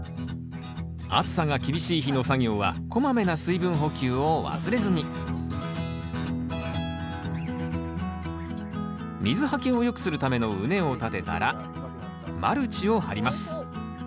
暑さが厳しい日の作業はこまめな水分補給を忘れずに水はけを良くするための畝を立てたらマルチを張ります。